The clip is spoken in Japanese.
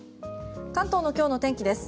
関東の今日のお天気です。